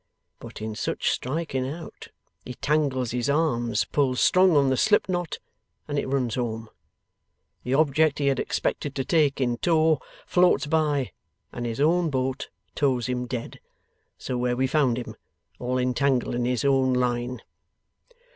But in such striking out he tangles his arms, pulls strong on the slip knot, and it runs home. The object he had expected to take in tow, floats by, and his own boat tows him dead, to where we found him, all entangled in his own line.